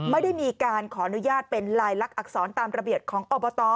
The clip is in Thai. ไม่ได้มีการขออนุญาตเป็นลายลักษรตามระเบียบของอบต